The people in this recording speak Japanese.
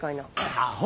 アホ！